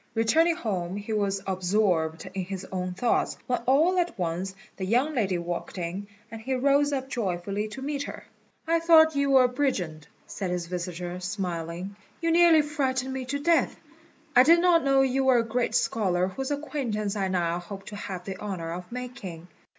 Returning home he was absorbed in his own thoughts, when all at once the young lady walked in, and he rose up joyfully to meet her. "I thought you were a brigand," said his visitor, smiling; "you nearly frightened me to death. I did not know you were a great scholar whose acquaintance I now hope to have the honour of making."